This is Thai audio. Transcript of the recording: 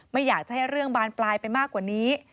ไม่อยากจะให้เรื่องบานปลายไปมากกว่านี้